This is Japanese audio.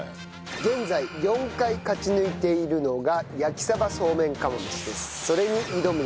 現在４回勝ち抜いているのが焼鯖そうめん釜飯です。